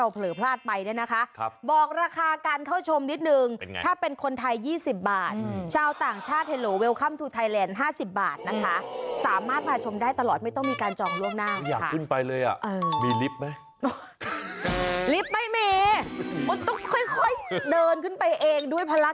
ภาคาจีสวยงามจริง